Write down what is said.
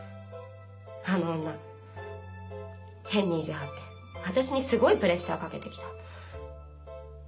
あの女変に意地張って私にすごいプレッシャーかけてきた。